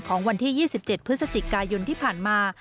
วันที่๒๗พฤศจิกายนที่ผ่านมา